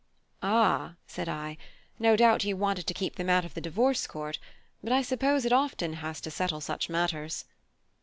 "Ah," said I, "no doubt you wanted to keep them out of the Divorce Court: but I suppose it often has to settle such matters."